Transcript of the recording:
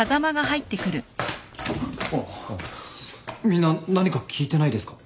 みんな何か聞いてないですか？